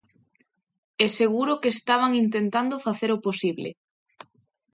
E seguro que estaban intentando facer o posible.